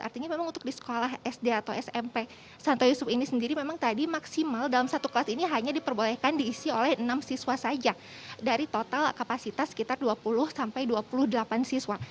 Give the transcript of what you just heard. artinya memang untuk di sekolah sd atau smp santo yusuf ini sendiri memang tadi maksimal dalam satu kelas ini hanya diperbolehkan diisi oleh enam siswa saja dari total kapasitas sekitar dua puluh sampai dua puluh delapan siswa